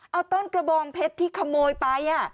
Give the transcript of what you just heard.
เอาต้นกระบองเพชรที่ขโมยไป